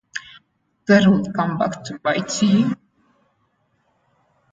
That'll come back to bite you.